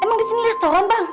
emang disini liat setoran bang